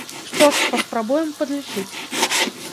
Што ж, паспрабуем падлічыць.